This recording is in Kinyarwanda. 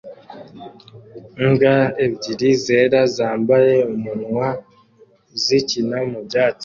Imbwa ebyiri zera zambaye umunwa zikina mu byatsi